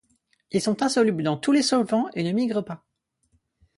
Ils sont insolubles dans tous les solvants et ne migrent pas.